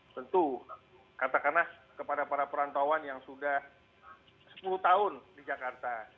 tentu katakanlah kepada para perantauan yang sudah sepuluh tahun di jakarta